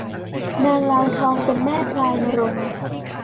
นางลาวทองเป็นแม่พลายณรงค์